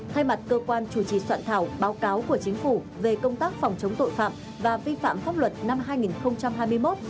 thay mặt cơ quan chủ trì soạn thảo báo cáo của chính phủ về công tác phòng chống tội phạm và vi phạm pháp luật năm hai nghìn hai mươi một